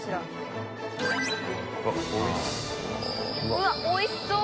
うわっおいしそう！